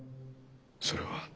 それは。